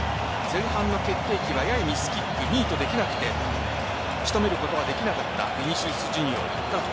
前半の決定機はややミスキックミートできなくて仕留めることはできなかったヴィニシウス・ジュニオール。